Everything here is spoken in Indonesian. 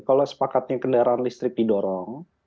kalau sepakatnya kendaraan listrik didorong